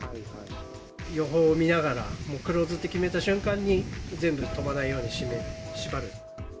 予報見ながら、もうクローズって決めた瞬間に、全部飛ばないように縛る。